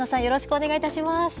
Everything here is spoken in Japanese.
よろしくお願いします。